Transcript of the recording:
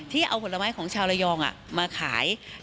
เอาผลไม้ของชาวระยองมาขาย